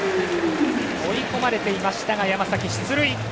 追い込まれていましたが山崎、出塁！